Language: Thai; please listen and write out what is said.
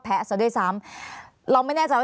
ภารกิจสรรค์ภารกิจสรรค์